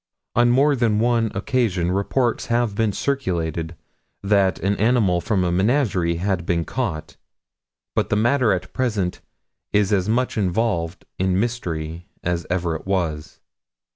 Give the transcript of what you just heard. On more than one occasion reports have been circulated that an animal from a menagerie had been caught, but the matter at present is as much involved in mystery as ever it was."